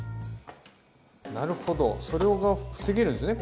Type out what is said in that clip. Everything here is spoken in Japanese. なるほどそれが防げるんですね。